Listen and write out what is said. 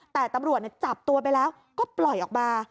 แต่ตำรวจจับตัวไปแล้วก็ปล่อยออกมา